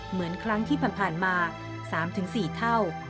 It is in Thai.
เหมือนครั้งที่ผ่านมา๓๔เท่า